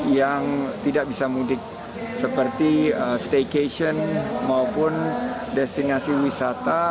yang tidak bisa mudik seperti staycation maupun destinasi wisata